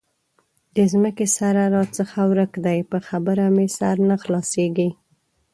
د ځمکې سره راڅخه ورک دی؛ په خبره مې سر نه خلاصېږي.